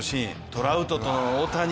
トラウトと大谷。